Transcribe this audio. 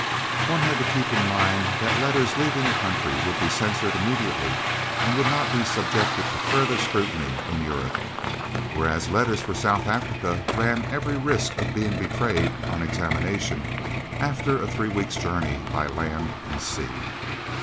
One had to keep in mind that letters leaving the country would be censored immediately and would not be subjected to further scrutiny in Europe, whereas letters for South Africa ran every risk of being betrayed on examination, after a three weeks' journey by land and sea.